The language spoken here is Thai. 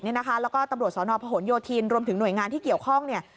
แล้วก็ตำรวจสนพหนโยธินรวมถึงหน่วยงานที่เกี่ยวข้องเนี่ย